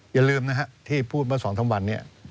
อย่าลืมนะฮะที่พูดมาส่องทั้งวันเนี่ย